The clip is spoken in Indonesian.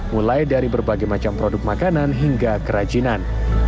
mulai dari berbagai macam produk makanan hingga kerajinan